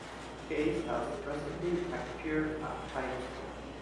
Keys has recently acquired a high school.